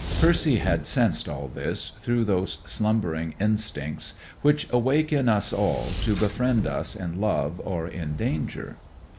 Percy had sensed all this through those slumbering instincts which awake in us all to befriend us in love or in danger.